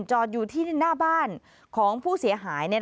จอดอยู่ที่หน้าบ้านของผู้เสียหาย